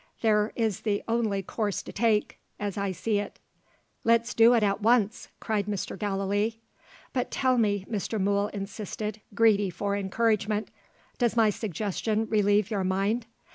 There is the only course to take as I see it." "Let's do it at once!" cried Mr. Gallilee. "But tell me," Mr. Mool insisted, greedy for encouragement "does my suggestion relieve your mind?"